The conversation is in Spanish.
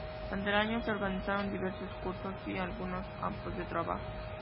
Durante el año se organizan diversos cursos y algunos campos de trabajo.